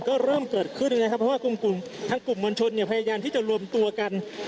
ก็เริ่มเกิดขึ้นนะครับเพราะว่ากลุ่มทางกลุ่มมวลชนเนี่ยพยายามที่จะรวมตัวกัน